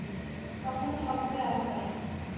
তখনো সব ঘরে আলো জ্বলে নি।